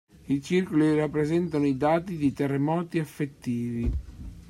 I circoli rappresentano i dati di terremoti effettivi.